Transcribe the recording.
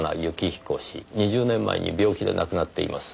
２０年前に病気で亡くなっています。